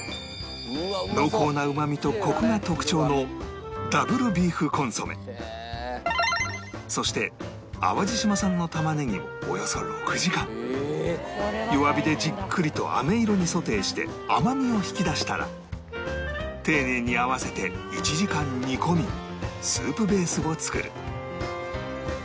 濃厚なうまみとコクが特徴のそして淡路島産の玉ねぎをおよそ６時間弱火でじっくりとあめ色にソテーして甘みを引き出したら丁寧に合わせて１時間煮込みスープベースを作る